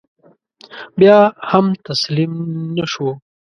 بیا هم تسلیم نه شو.